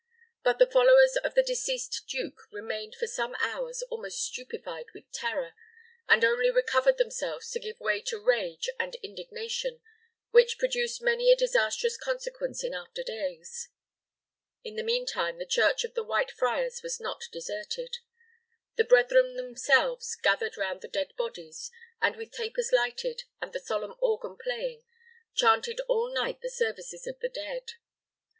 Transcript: But the followers of the deceased duke remained for some hours almost stupefied with terror, and only recovered themselves to give way to rage and indignation, which produced many a disastrous consequence in after days. In the mean time, the church of the White Friars was not deserted. The brethren themselves gathered around the dead bodies, and, with tapers lighted, and the solemn organ playing, chanted all night the services of the dead.